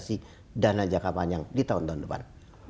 investasi dana jangka panjang di tahun tahun depan